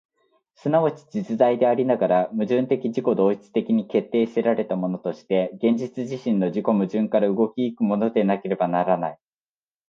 即ち実在でありながら、矛盾的自己同一的に決定せられたものとして、現実自身の自己矛盾から動き行くものでなければならない。